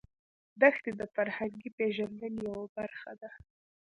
دښتې د فرهنګي پیژندنې یوه برخه ده.